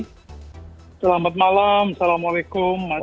selamat malam assalamualaikum